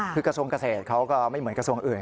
คือกระทรวงเกษตรเขาก็ไม่เหมือนกระทรวงอื่น